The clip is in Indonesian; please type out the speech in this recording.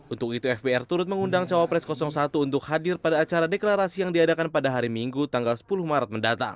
untuk itu fbr turut mengundang cawapres satu untuk hadir pada acara deklarasi yang diadakan pada hari minggu tanggal sepuluh maret mendatang